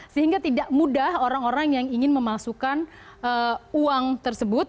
sehingga tidak mudah orang orang yang ingin memasukkan uang tersebut